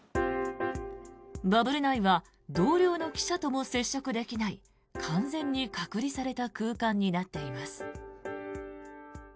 バブル内は同僚の記者とも接触できない完全に隔離された空間になっています。